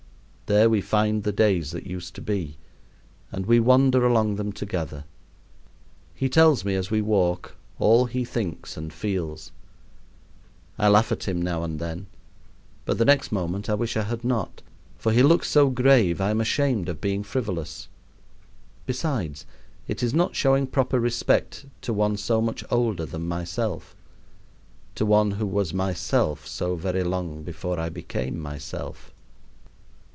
There we find the days that used to be, and we wander along them together. He tells me as we walk all he thinks and feels. I laugh at him now and then, but the next moment I wish I had not, for he looks so grave I am ashamed of being frivolous. Besides, it is not showing proper respect to one so much older than myself to one who was myself so very long before I became myself.